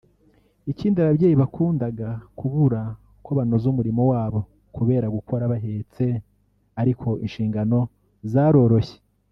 ikindi ababyeyi bakundaga kubura uko banoza umurimo wabo kubera gukora bahetse ariko inshingano zaroroshye